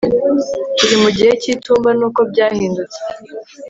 turi mugihe cyitumba nuko byahindutse